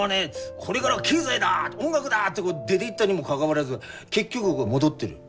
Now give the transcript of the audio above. これがらは経済だ音楽だって出ていったにもかかわらず結局戻ってる。